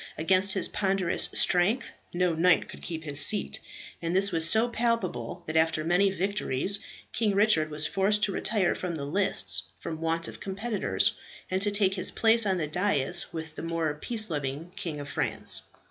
Against his ponderous strength no knight could keep his seat; and this was so palpable, that after many victories, King Richard was forced to retire from the lists from want of competitors, and to take his place on the dais with the more peace loving King of France.